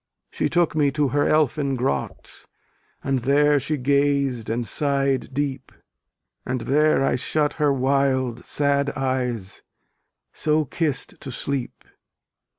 She took me to her elfin grot, And there she gaz'd and sighed deep, And there I shut her wild sad eyes So kiss'd to sleep.